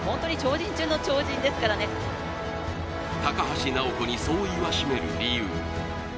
高橋尚子にそう言わしめる理由。